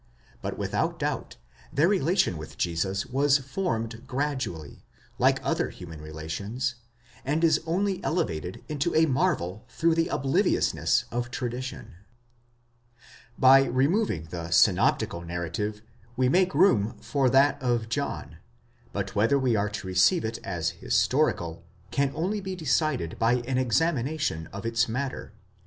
But without doubt, their relation with Jesus was formed gradually, like other human relations, and is only elevated into a marvel through the obliviousness of tradition. By removing the synoptical narrative we make room for that of John; but whether we are to receive it as historical, can only be decided by an examina tion of its matter.